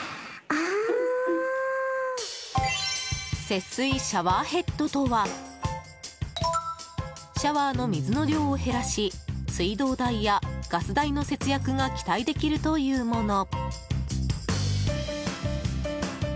節水シャワーヘッドとはシャワーの水の量を減らし水道代やガス代の節約が期待できるというもの。